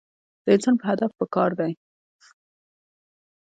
د انسان پۀ هدف پکار دے -